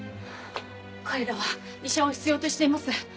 彼らは医者を必要としています。